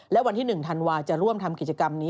และวันที่๑ธันวาจะร่วมทำกิจกรรมนี้